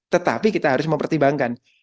tetapi kita harus mempertimbangkan